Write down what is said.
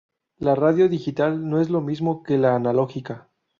La radio digital no es lo mismo que la analógica.